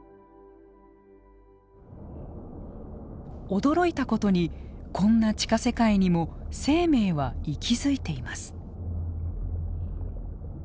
驚いたことにこんな地下世界にも生命は息づいています。